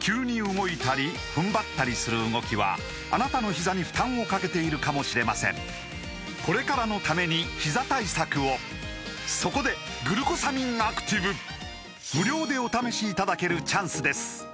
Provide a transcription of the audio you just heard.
急に動いたり踏ん張ったりする動きはあなたのひざに負担をかけているかもしれませんそこで「グルコサミンアクティブ」無料でお試しいただけるチャンスです